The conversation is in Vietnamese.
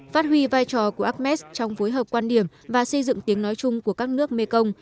phát huy vai trò của acmes trong phối hợp quan điểm và xây dựng tiếng nói chung của các nước mê công